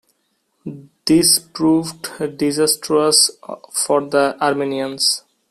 This proved disastrous for the Armenians.